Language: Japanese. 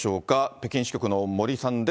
北京支局の森さんです。